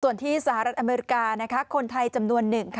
ส่วนที่สหรัฐอเมริกาคนไทยจำนวนหนึ่ง